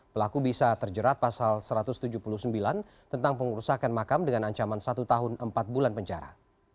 pelaku bisa terjerat pasal satu ratus tujuh puluh sembilan tentang pengurusakan makam dengan ancaman satu tahun empat bulan penjara